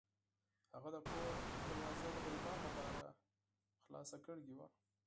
هغه د کور دروازه د غریبانو لپاره پرانیستې وه.